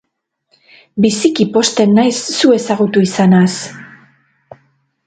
Biziki pozten naiz zu ezagutu izanaz.